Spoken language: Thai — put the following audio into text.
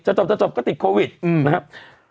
จะจบก็ติดโควิดนะครับ